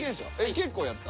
結構やった？